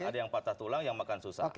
ada yang patah tulang yang makan susah